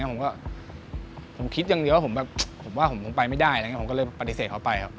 ผมก็คิดอย่างเดียวผมว่าผมไปไม่ได้ผมก็เลยปฏิเสธเขาไปครับ